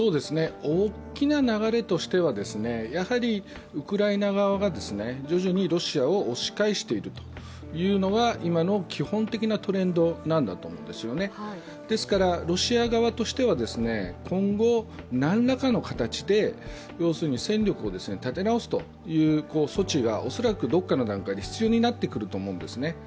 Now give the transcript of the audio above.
大きな流れとしては、ウクライナ側が徐々にロシアを押し返しているというのが今の基本的なトレンドだと思うんですねですからロシア側としては今後何らかの形で戦力を立て直すという措置が恐らくどこかの段階で必要になってくると思うんですね。